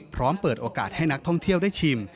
เปิดโอกาสให้นักท่องเที่ยวได้ชิม